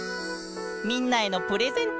みんなへのプレゼント。